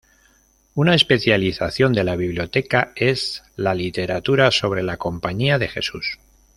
Una especialización de la biblioteca es la literatura sobre la Compañía de Jesús.